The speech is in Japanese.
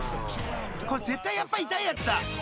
［これ絶対やっぱ痛いやつだ］